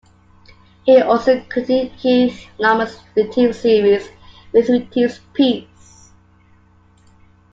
He also continued Keith Laumer's Retief series with "Retief's Peace".